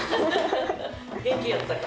元気やったか？